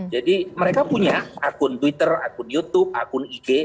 jadi mereka punya akun twitter akun youtube akun ig